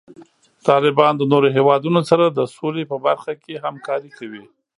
طالبان د نورو هیوادونو سره د سولې په برخه کې همکاري کوي.